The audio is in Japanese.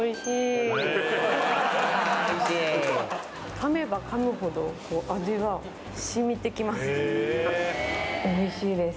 かめばかむほど味が染みてきます。